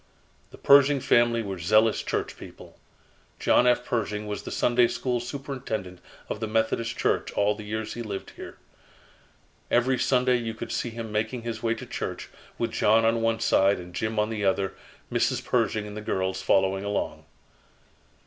"The Pershing family were zealous church people. John F. Pershing was the Sunday School superintendent of the Methodist Church all the years he lived here. Every Sunday you could see him making his way to church with John on one side and Jim on the other, Mrs. Pershing and the girls following along."